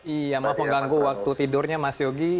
iya maaf mengganggu waktu tidurnya mas yogi